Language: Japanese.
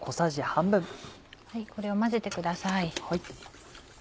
これを混ぜてください。